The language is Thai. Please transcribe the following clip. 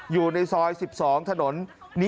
อยู่ในซอย๑๒ถนน